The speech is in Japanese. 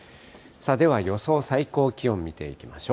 さあ、では予想最高気温見ていきましょう。